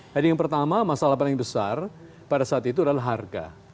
jadi yang pertama masalah paling besar pada saat itu adalah harga